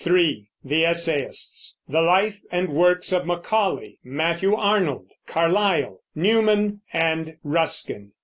(3) The Essayists; the life and works of Macaulay, Matthew Arnold, Carlyle, Newman, and Ruskin.